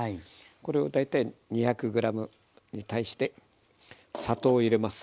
これを大体２００ｇに対して砂糖を入れます。